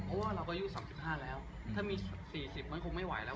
เพราะว่าเราก็อายุ๓๕แล้วถ้ามี๔๐มันคงไม่ไหวแล้ว